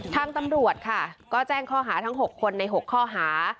ทางตำรวจค่ะก็แจ้งข้อหาทั้ง๖คนใน๖ข้อหา